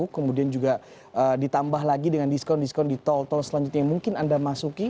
kemudian juga ditambah lagi dengan diskon diskon di tol tol selanjutnya yang mungkin anda masuki